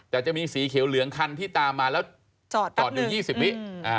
แต่จะมีสีเขียวเหลืองคันที่ตามมาแล้วจอดอยู่๒๐วิ